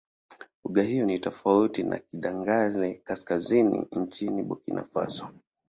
Lugha hiyo ni tofauti na Kidagaare-Kaskazini nchini Burkina Faso.